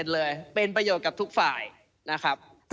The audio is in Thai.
เลยเป็นประโยชน์กับทุกฝ่ายนะครับ